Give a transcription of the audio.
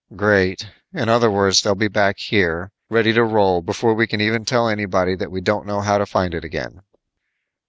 "Great. In other words, they'll be back here, ready to roll before we can even tell anybody that we don't know how to find it again."